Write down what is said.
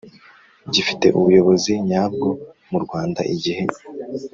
gifite ubuyobozi nyabwo mu Rwanda igihe